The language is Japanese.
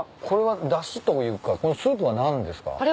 これはだしというかこのスープは何ですか？